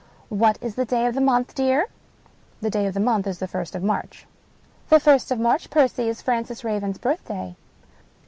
" What is the day of the month, dear? "*' The day of the month is the first of March." "The first of March, Percy, is Francis Raven's birth day."